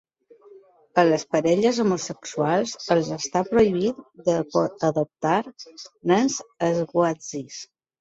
A les parelles homosexuals els està prohibit d'adoptar nens swazis.